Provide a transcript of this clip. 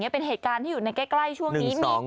เป็นเหตุการณ์ที่อยู่ในใกล้ช่วงนี้